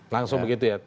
langsung begitu ya